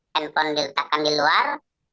handphone diletakkan di luar